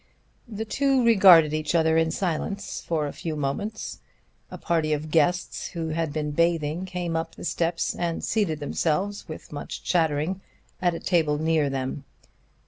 The two regarded each other in silence for a few moments. A party of guests who had been bathing came up the steps and seated themselves, with much chattering, at a table near them.